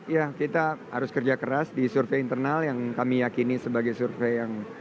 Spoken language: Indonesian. ya kita harus kerja keras di survei internal yang kami yakini sebagai survei yang